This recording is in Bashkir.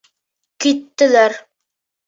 Киттеләр.